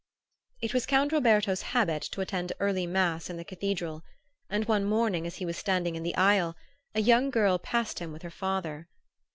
It was Count Roberto's habit to attend early mass in the Cathedral; and one morning, as he was standing in the aisle, a young girl passed him with her father.